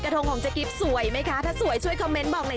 ถ้าลอยนะ